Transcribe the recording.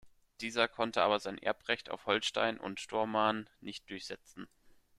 Dieser konnte aber sein Erbrecht auf Holstein und Stormarn nicht durchsetzen.